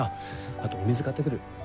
あとお水買って来る。